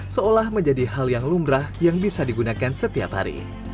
seolah menjadi hal yang lumrah yang bisa digunakan setiap hari